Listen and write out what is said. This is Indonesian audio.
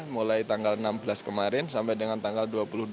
mulai tanggal enam belas kemarin sampai dengan tanggal dua puluh dua